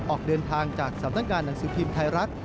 ออกเดินทางจากสำนักงานหนังสือพิมพ์ไทยรัฐ